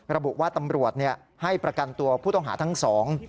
ระบุว่าตำรวจให้ประกันตัวผู้ต้องหาทั้งสอง